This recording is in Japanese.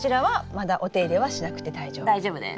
大丈夫です。